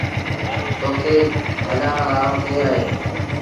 تو کي جھلآڻ وآرو ڪير اهي؟